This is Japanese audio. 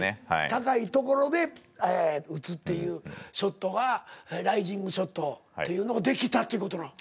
高い所で打つっていうショットがライジングショットっていうのができたっていう事なん？